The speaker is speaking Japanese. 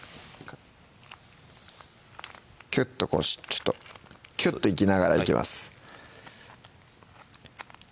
キュッとこうちょっとキュッといきながらいきます